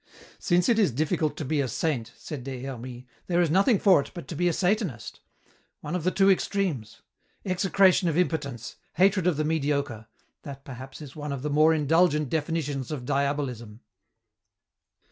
"Since it is difficult to be a saint," said Des Hermies, "there is nothing for it but to be a Satanist. One of the two extremes. 'Execration of impotence, hatred of the mediocre,' that, perhaps, is one of the more indulgent definitions of Diabolism."